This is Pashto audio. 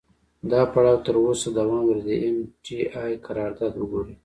دا پړاو تر اوسه دوام لري، د ام ټي اې قرارداد وګورئ.